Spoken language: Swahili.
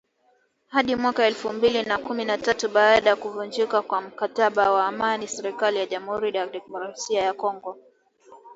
hadi mwaka elfu mbili na kumi na tatu baada ya kuvunjika kwa mkataba wa amani na serikali ya Jamuhuri ya Demokrasia ya Kongo